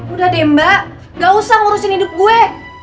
udah deh mbak gak usah ngurusin hidup gue